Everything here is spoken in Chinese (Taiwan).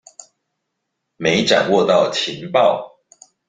沒掌握到情報